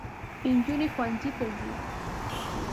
نجوني ښوونځۍ ته ځي